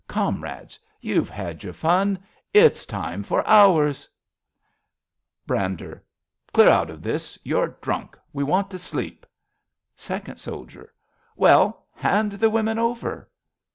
Comrades, you've had your fun — It's time for ours. 55 RADA Brander. Clear out of this. You're drunk. We want to sleep. Second Soldier. Well, hand the women over.